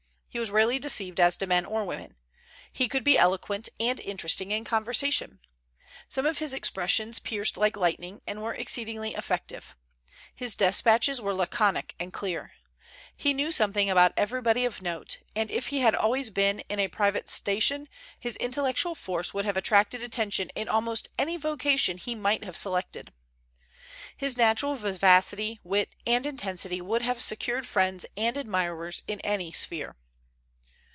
He was rarely deceived as to men or women. He could be eloquent and interesting in conversation. Some of his expressions pierced like lightning, and were exceedingly effective. His despatches were laconic and clear. He knew something about everybody of note, and if he had always been in a private station his intellectual force would have attracted attention in almost any vocation he might have selected. His natural vivacity, wit, and intensity would have secured friends and admirers in any sphere.